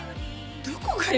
どこがよ？